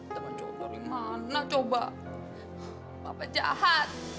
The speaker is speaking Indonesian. temen cowok dari mana coba papa jahat